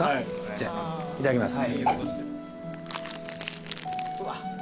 じゃあいただきます。